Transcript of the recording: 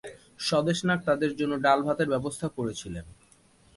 স্বদেশ নাগ তাদের জন্য ডাল-ভাতের ব্যবস্থা করেছিলেন।